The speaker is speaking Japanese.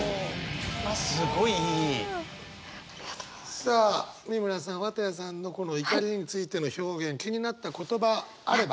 さあ美村さん綿矢さんのこの怒りについての表現気になった言葉あれば。